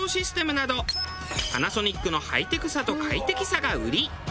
パナソニックのハイテクさと快適さが売り。